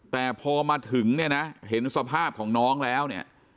แต่พอมาถึงเนี่ยนะเห็นสภาพของน้องแล้วเนี่ย